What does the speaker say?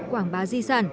quảng bá di sản